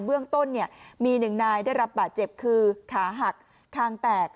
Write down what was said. เบื้องต้นมีหนึ่งนายได้รับบาดเจ็บคือขาหักคางแตก